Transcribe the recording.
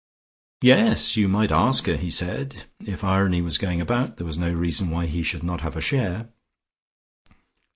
"Yes, you might ask her," he said. If irony was going about, there was no reason why he should not have a share.